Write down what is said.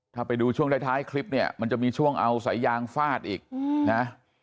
ถ้าไปดูช่วงท้ายคลิปเนี่ยมันจะมีช่วงเอาสายยางฟาดอีกนะ